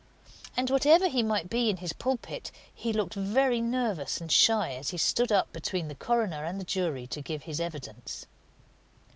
And, whatever he might be in his pulpit, he looked very nervous and shy as he stood up between the coroner and the jury to give his evidence.